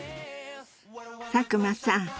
佐久間さん